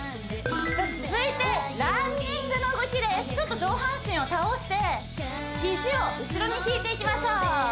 続いてランニングの動きですちょっと上半身を倒して肘を後ろに引いていきましょう